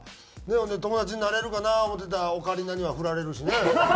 でもね友達になれるかな思うてたオカリナにはフラれるしね。